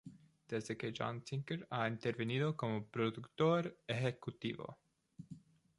Desde que John Tinker ha intervenido como productor ejecutivo.